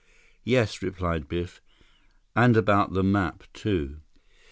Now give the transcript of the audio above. "Yes," replied Biff, "and about the map, too."